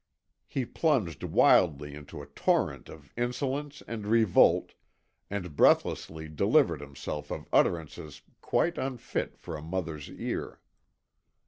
He plunged wildly into a torrent of insolence and revolt, and breathlessly delivered himself of utterances quite unfit for a mother's ear.